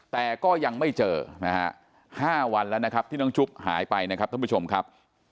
แต่ก็ยังไม่เจอนะฮะ๕วันแล้วนะครับที่น้องชุบหายไปนะครับท่านผู้ชมครับ